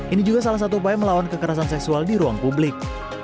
ini juga salah satu upaya melawan kekerasan seksual di ruang publik